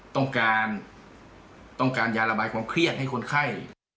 ต้องการต้องการยาระบายความเครียดให้คนไข้